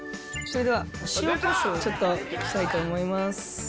それでは塩コショウをちょっとしたいと思います。